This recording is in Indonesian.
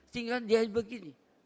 tinggal dia begini